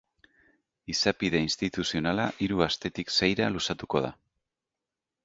Izapide instituzionala hiru astetik seira luzatuko da.